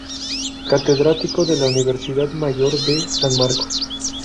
Catedrático de la Universidad Mayor de San Marcos.